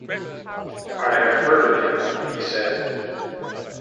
"I have heard of him," he said.